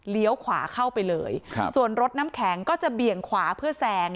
ขวาเข้าไปเลยครับส่วนรถน้ำแข็งก็จะเบี่ยงขวาเพื่อแซง